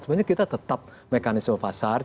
sebenarnya kita tetap mekanisme pasar